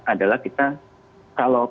adalah kita kalau